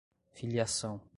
filiação